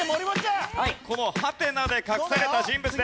このハテナで隠された人物です。